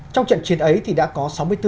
trong trận chiến ấy thì đã có sáu mươi bốn